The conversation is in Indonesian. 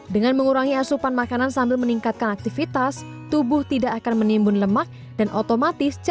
dengan mengurangi asupan makanan sambil meningkatkan aktivitas tubuh tidak akan menimbun lemak dan otomatis